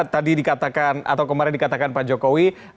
tadi dikatakan atau kemarin dikatakan pak jokowi